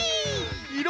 いろ